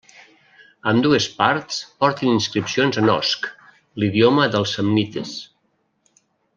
Ambdues parts porten inscripcions en osc, l'idioma dels samnites.